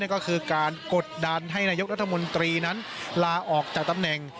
ก็คือการกดดันให้นายกรัฐมนตรีนั้นลาออกจากตำแหน่ง